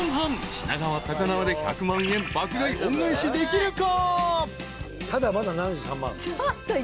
［品川高輪で１００万円爆買い恩返しできるか？］